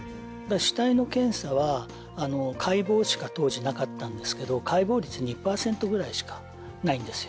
死体の検査は解剖しか当時なかったんですけど解剖率２％ぐらいしかないんですよ。